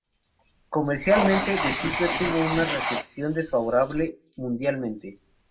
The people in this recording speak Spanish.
Comercialmente, "The Secret" tuvo una recepción desfavorable mundialmente.